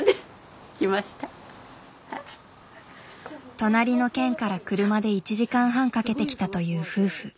隣の県から車で１時間半かけて来たという夫婦。